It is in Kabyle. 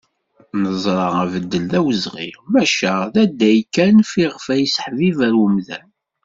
Neẓra abeddel d awezɣi, maca d adday kan fiɣef ad yesseḥibiber umdan.